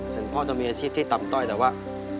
ถึงพ่อต้องมีอาชีพที่ตำต้อยแต่ว่า